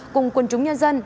cùng quân chúng nhân dân